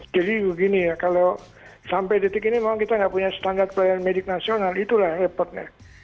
jadi begini ya kalau sampai detik ini kita nggak punya standar pelayanan medik nasional itulah repotnya